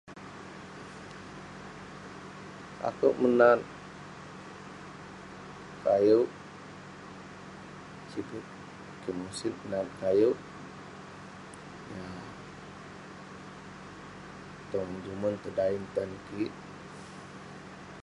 akouk menat kayewk, ayuk kik musit nat kayewk. yah tong jumen tong daen tan kik.